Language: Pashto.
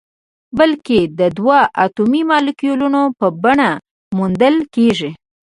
بلکې د دوه اتومي مالیکول په بڼه موندل کیږي.